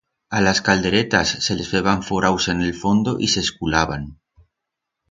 A las calderetas se les feban foraus en el fondo y s'esculaban.